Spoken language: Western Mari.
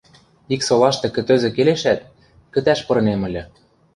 Ик солашты кӹтӧзӹ келешӓт, кӹтӓш пырынем ыльы.